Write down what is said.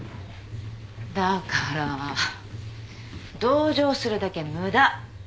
だから同情するだけ無駄。